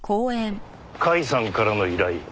甲斐さんからの依頼？